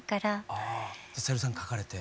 ああさゆりさん書かれて。